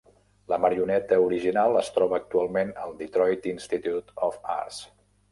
La marioneta original es troba actualment al Detroit Institute of Arts.